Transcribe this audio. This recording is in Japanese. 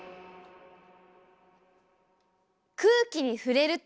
空気に触れると。